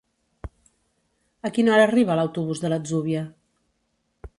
A quina hora arriba l'autobús de l'Atzúbia?